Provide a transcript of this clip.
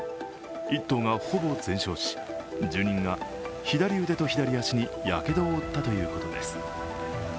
１棟がほぼ全焼し、住人が、左腕と左足にやけどを負ったということです。